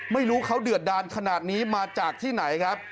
ไม่รู้เขาเดือดดานขนาดนี้มาจากที่ไหนครับ